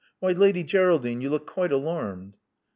Why, Lady Geraldine, you look quite alarmed."